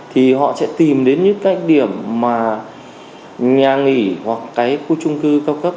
thì họ sẽ tìm đến những cái điểm mà nhà nghỉ hoặc cái khu trung cư cao cấp